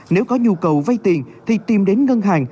nếu có nhu cầu vay tiền thì tìm đến ngân hàng